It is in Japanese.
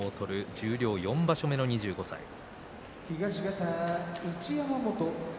十両４場所目、２５歳です。